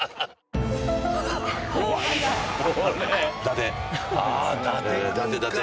伊達。